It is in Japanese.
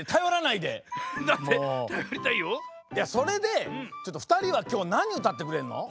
いやそれでちょっとふたりはきょうなにうたってくれるの？